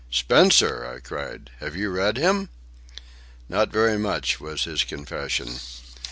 "Spencer!" I cried. "Have you read him?" "Not very much," was his confession.